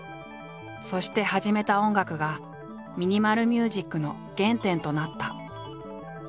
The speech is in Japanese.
そして始めた音楽がミニマル・ミュージックの原点となった。